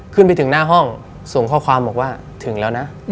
ขึ้นไปถึงหน้าห้องส่งข้อความบอกว่าถึงแล้วนะ